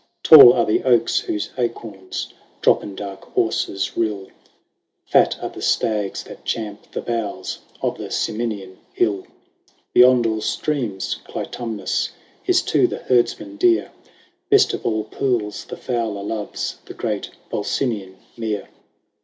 VI. Tall are the oaks whose acorns Drop in dark Auser's rill ; Fat are the stags that champ the boughs Of the Ciminian hill ; Beyond all streams Clitumnus Is to the herdsman dear ; Best of all pools the fowler loves The great Volsinian mere. 46 LAYS OF ANCIENT KOME.